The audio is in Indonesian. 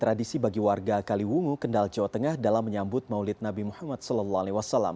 tradisi bagi warga kaliwungu kendal jawa tengah dalam menyambut maulid nabi muhammad saw